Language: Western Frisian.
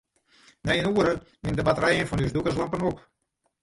Nei in oere wiene de batterijen fan ús dûkerslampen op.